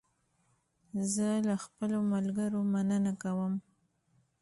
زه له خپلو ملګرو مننه کوم.